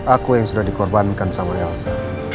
aku yang sudah dikorbankan sama elsa